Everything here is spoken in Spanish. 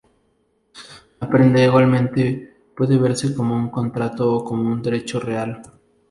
La prenda, igualmente puede verse como un contrato o como un derecho real.